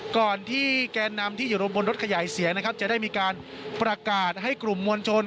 ก่อนที่แกนนำที่อยู่รวมบนรถขยายเสียงนะครับจะได้มีการประกาศให้กลุ่มมวลชน